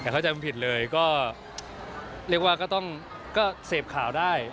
ก็เรียกว่าก็ต้องเสพข่าวได้